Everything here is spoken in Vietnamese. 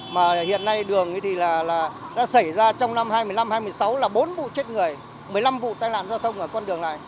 mà hiện nay đường thì đã xảy ra trong năm hai nghìn một mươi năm hai nghìn một mươi sáu là bốn vụ chết người một mươi năm vụ tai nạn giao thông ở con đường này